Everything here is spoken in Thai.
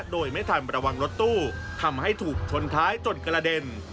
โดยไม่ทันระวังรถตู้ทำให้ถูกชนท้ายจนกระเด็น